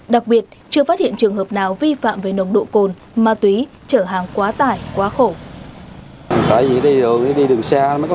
đặc biệt chưa phát hiện trường hợp nào vi phạm về nồng độ cồn ma túy trở hàng quá tải quá khổ